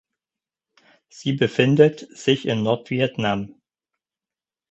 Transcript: Sie befindet sich in Nordvietnam.